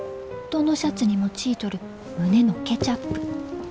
どのシャツにもちいとる胸のケチャップ。